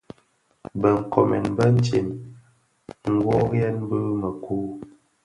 Bë nkoomèn bëntsem nnoriyèn bi mëku.